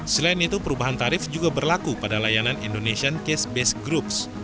selain itu perubahan tarif juga berlaku pada layanan indonesian case base groups